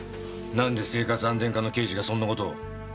なんで生活安全課の刑事がそんな事を。